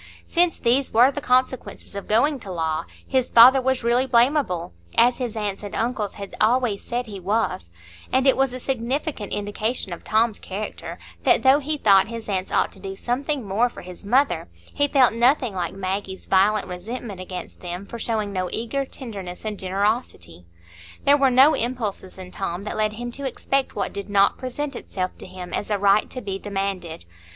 Since these were the consequences of going to law, his father was really blamable, as his aunts and uncles had always said he was; and it was a significant indication of Tom's character, that though he thought his aunts ought to do something more for his mother, he felt nothing like Maggie's violent resentment against them for showing no eager tenderness and generosity. There were no impulses in Tom that led him to expect what did not present itself to him as a right to be demanded.